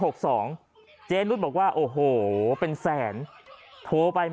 กลับมาพร้อมขอบความ